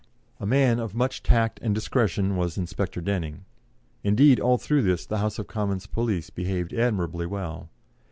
A man of much tact and discretion was Inspector Denning. Indeed, all through this, the House of Commons police behaved admirably well.